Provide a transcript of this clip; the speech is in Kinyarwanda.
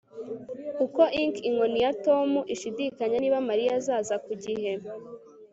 uko ink inkoni ye Tom ashidikanya niba Mariya azaza ku gihe